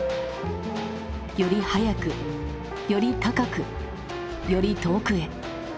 より早くより高くより遠くへ。